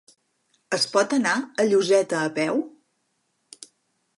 Es pot anar a Lloseta a peu?